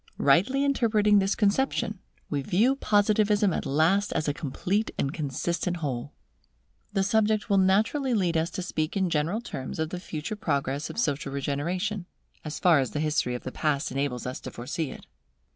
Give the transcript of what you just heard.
Rightly interpreting this conception, we view Positivism at last as a complete and consistent whole. The subject will naturally lead us to speak in general terms of the future progress of social regeneration, as far as the history of the past enables us to foresee it.